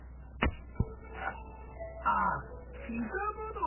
ああ刻むのね。